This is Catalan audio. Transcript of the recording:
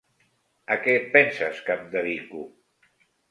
A què et penses que em dedico?